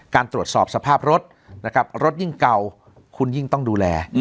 การตรวจสอบสภาพรถนะครับรถยิ่งเก่าคุณยิ่งต้องดูแล